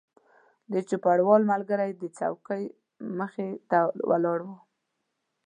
د چوپړوال ملګری د څوکۍ مخې ته ولاړ و.